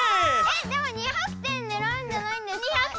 でも２００点ねらうんじゃないんですか？